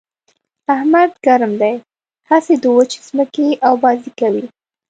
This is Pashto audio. احمد ګرم دی؛ هسې د وچې ځمکې اوبازي کوي.